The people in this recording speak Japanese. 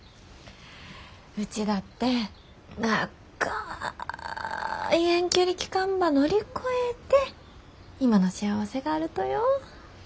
うちだって長い遠距離期間ば乗り越えて今の幸せがあるとよ。